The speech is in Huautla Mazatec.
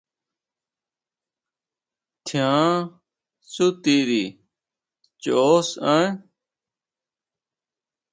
Tjiánka tsutiri choʼo sʼaen.